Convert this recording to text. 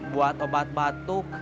buat obat batuk